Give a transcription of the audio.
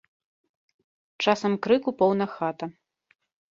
Часам крыку поўна хата.